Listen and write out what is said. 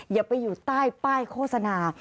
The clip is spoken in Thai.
อย่าไปอยู่ใต้ป้ายโฆษณา